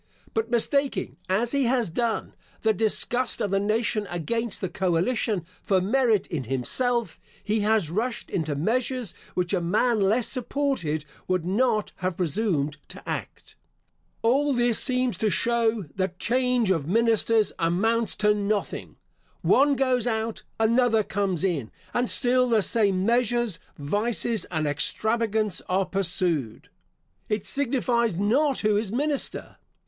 But mistaking, as he has done, the disgust of the nation against the coalition, for merit in himself, he has rushed into measures which a man less supported would not have presumed to act. All this seems to show that change of ministers amounts to nothing. One goes out, another comes in, and still the same measures, vices, and extravagance are pursued. It signifies not who is minister.